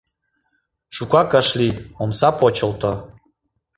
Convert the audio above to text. Шукак ыш лий — омса почылто.